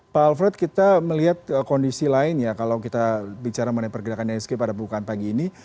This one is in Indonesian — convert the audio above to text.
pak alfred kita melihat kondisi lain ya kalau kita bicara mengenai pergerakan ihsg pada bukaan pagi ini